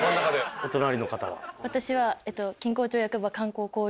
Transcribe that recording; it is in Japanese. お隣の方は？